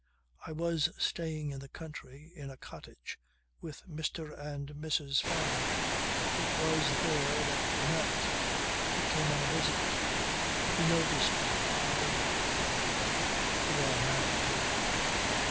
I was staying in the country, in a cottage, with Mr. and Mrs. Fyne. It was there that we met. He came on a visit. He noticed me. I well we are married now."